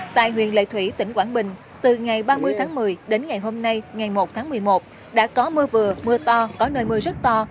tại huyện lệ thủy tỉnh quảng bình từ ngày ba mươi tháng một mươi đến ngày hôm nay ngày một tháng một mươi một đã có mưa vừa mưa to có nơi mưa rất to